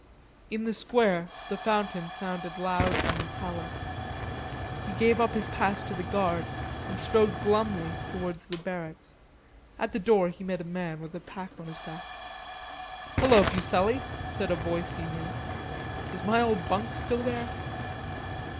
In the square the fountain sounded loud and metallic. He gave up his pass to the guard and strode glumly towards the barracks. At the door he met a man with a pack on his back. "Hullo, Fuselli," said a voice he knew. "Is my old bunk still there?"